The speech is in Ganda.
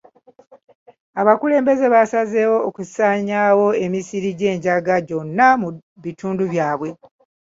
Abakulembeze basazeewo okusaanyaawo emisiri gy'enjaga gyonna mu bitundu byabwe.